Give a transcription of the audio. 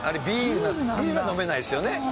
ビールは飲めないですよね